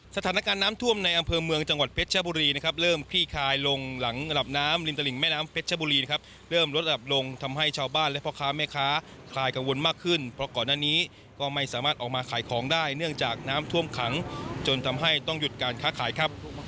สถานการณ์น้ำท่วมในอำเภอเมืองจังหวัดเพชรชบุรีนะครับเริ่มคลี่คลายลงหลังระดับน้ำริมตลิงแม่น้ำเพชรชบุรีนะครับเริ่มลดระดับลงทำให้ชาวบ้านและพ่อค้าแม่ค้าคลายกังวลมากขึ้นเพราะก่อนหน้านี้ก็ไม่สามารถออกมาขายของได้เนื่องจากน้ำท่วมขังจนทำให้ต้องหยุดการค้าขายครับ